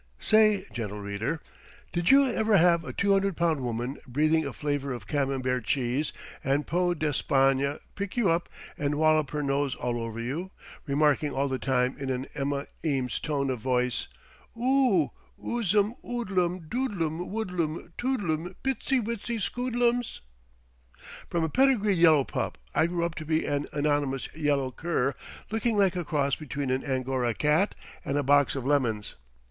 Say, gentle reader, did you ever have a 200 pound woman breathing a flavour of Camembert cheese and Peau d'Espagne pick you up and wallop her nose all over you, remarking all the time in an Emma Eames tone of voice: "Oh, oo's um oodlum, doodlum, woodlum, toodlum, bitsy witsy skoodlums?" From a pedigreed yellow pup I grew up to be an anonymous yellow cur looking like a cross between an Angora cat and a box of lemons.